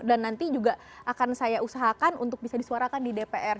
dan nanti juga akan saya usahakan untuk bisa disuarakan di dpr